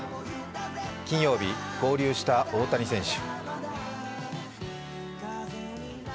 金曜日、合流した大谷選手。